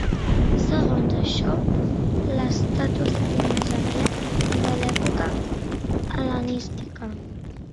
Segons això, l'estàtua seria més aviat de l'època hel·lenística.